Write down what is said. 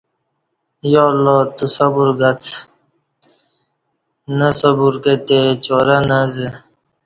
یا اللہ تیو صبر گڅ نہ صبر کتی چارہ نہ ازہ